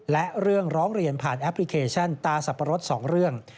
และเรื่องร้องเรียนผ่านแอปพลิเคชันตาสับปะรด๒เรื่อง